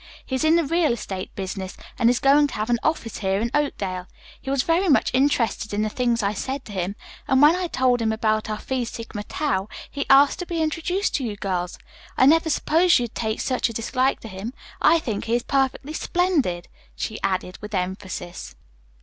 He is in the real estate business, and is going to have an office here in Oakdale. He was very much interested in the things I said to him, and when I told him about our Phi Sigma Tau he asked to be introduced to you girls. I never supposed you'd take such a dislike to him. I think he is perfectly splendid," she added with emphasis.